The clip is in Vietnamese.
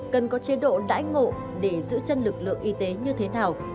cần có chế độ đãi ngộ để giữ chân lực lượng y tế như thế nào